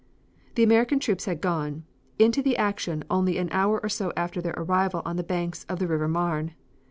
The American troops had gone, into the action only an hour or so after their arrival on the banks of the River Marne.